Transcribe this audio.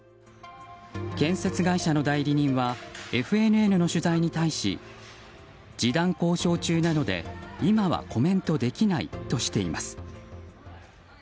建設会社の代理人はＦＮＮの取材に対し示談交渉中なので今はコメントできないとしています。